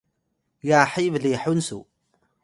gyahiy blihun su